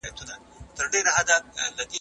زه به سبا کتابتون ته راشم؟!